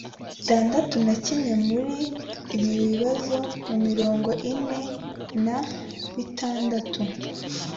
itandatu na kimwe muri ibi bibazo mirongo ine na bitandatu